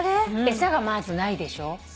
餌がまずないでしょ。